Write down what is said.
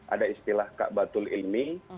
ada istilah kak batul ilmi